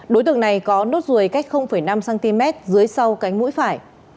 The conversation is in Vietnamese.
đối tượng này có nốt ruồi cách năm cm dưới sau cánh mũi phải